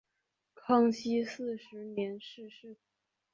康熙四十年逝世。